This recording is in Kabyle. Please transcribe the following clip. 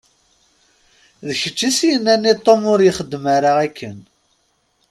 D kečč i as-yennan i Tom ur ixeddem ara akken?